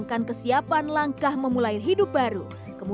dan siap bertanggung jawab